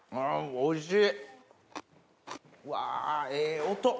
おいしい！